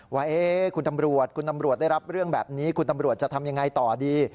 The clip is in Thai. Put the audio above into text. ว่าคุณตำรวจคุณตำรวจได้รับเรื่องแบบนี้คุณตำรวจจะทำยังไงต่อดี